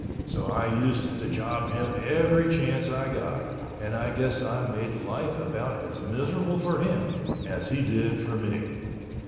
So I used to job him every chance I got and I guess I made life about as miserable for him as he did for me.